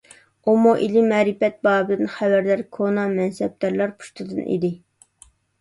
ئۇمۇ ئىلىم - مەرىپەت بابىدىن خەۋەردار كونا مەنسەپدارلار پۇشتىدىن ئىدى.